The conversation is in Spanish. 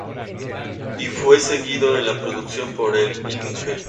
I" fue seguido en la producción por el "Mk.